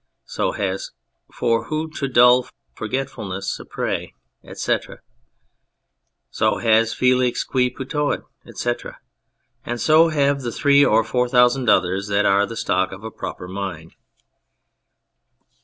So has " For who to dull forgetfulness a prey," etc. So has " Felix qui potuit," etc. And so have the three or four thousand others that are the stock of a proper mind.